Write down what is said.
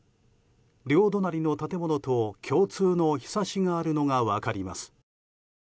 両隣の建物と共通のひさしがあるのが分かります。